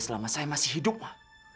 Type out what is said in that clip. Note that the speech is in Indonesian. selama saya masih hidup mah